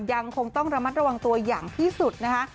ยังคงต้องระมัดระวังตัวอย่างที่สุดนะคะ